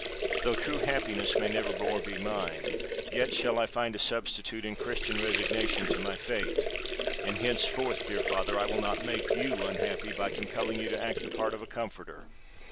Though true happiness may never more be mine, yet shall I find a substitute in Christian resignation to my fate; and henceforth, dear father, I will not make you unhappy by compelling you to act the part of a comforter.